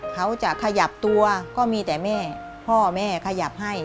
เขาจะขยับตัวก็มีแต่แม่พ่อแม่ขยับให้